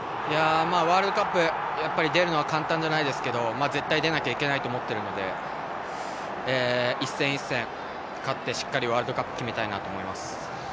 ワールドカップやっぱり出るのは簡単じゃないですけど絶対出なきゃいけないと思っているので１戦１戦、勝ってワールドカップを決めたいなと思います。